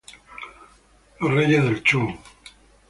Los reyes del show